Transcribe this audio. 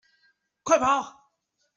快跑！